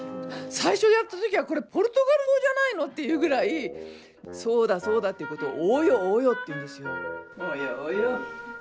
最初やった時はこれポルトガル語じゃないのっていうぐらい「そうだそうだ」っていうことを「およおよ」って言うんですよ。